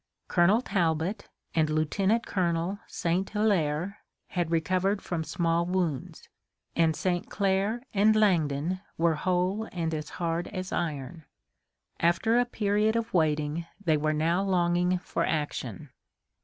Colonel Talbot and Lieutenant Colonel St. Hilaire had recovered from small wounds, and St. Clair and Langdon were whole and as hard as iron. After a period of waiting they were now longing for action.